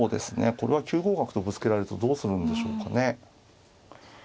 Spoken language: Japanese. これは９五角とぶつけられるとどうするんでしょうかね。